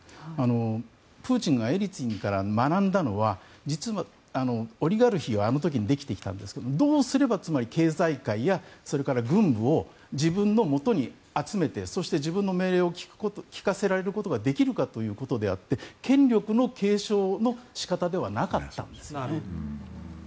プーチンがエリツィンから学んだのはオリガルヒはあの時にできてきたんですがどうすれば経済界やそれから軍部を自分のもとに集めてそして自分の命令を聞かせられることができるかということであって権力の継承の仕方ではなかったんですよね。